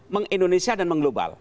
meng indonesia dan meng global